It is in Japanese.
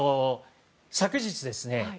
昨日ですね。